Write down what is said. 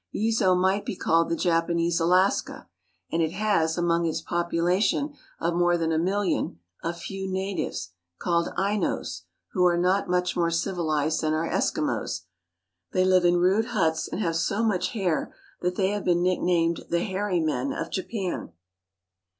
Yezo might be called the Japanese Alaska, and it has, among its population of more than a million, a few natives, called Ainos, who are not much more civilized than our Eskimos. They live in rude huts and have so much hair that they have been nick 30 THE ISLAND EMPIRE OF JAPAN named the hairy men of Japan.